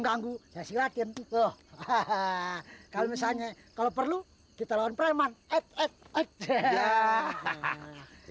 ganggu saya siratin tuh hahaha kalau misalnya kalau perlu kita lawan preman eh eh eh hahahaha